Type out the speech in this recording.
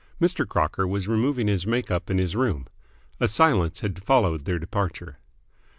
Mr. Crocker was removing his make up in his room. A silence had followed their departure.